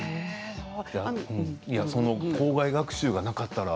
その校外学習がなかったら。